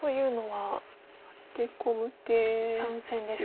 ３線ですか。